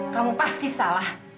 kamu pasti salah